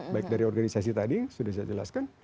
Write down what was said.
baik dari organisasi tadi sudah saya jelaskan